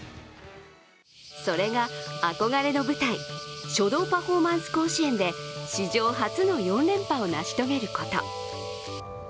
それが、憧れの舞台書道パフォーマンス甲子園で史上初の４連覇を成し遂げること。